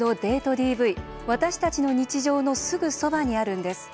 ＤＶ、私たちの日常のすぐそばにあるんです。